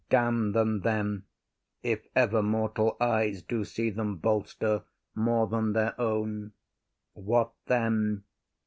Damn them then, If ever mortal eyes do see them bolster More than their own! What then?